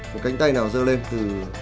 một cánh tay nào dơ lên từ